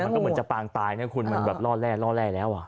แต่มันก็เหมือนจะปลางตายนะคุณมันแบบล่อแร่แล้วอ่ะ